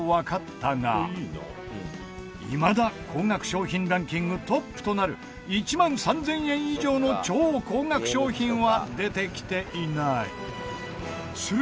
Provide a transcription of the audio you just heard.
いまだ高額商品ランキングトップとなる１万３０００円以上の超高額商品は出てきていない。